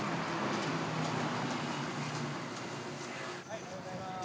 おはようございまーす。